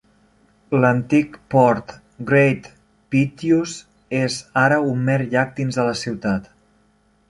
L'antic port "Great Pityus" és ara un mer llac dins de la ciutat.